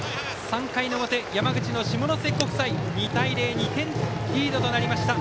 ３回の表、山口の下関国際２対０、２点リードとなりました。